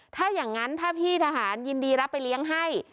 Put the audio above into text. ถ้าอย่างนั้นถ้าพี่ทหารยินดีรับไปเลี้ยงให้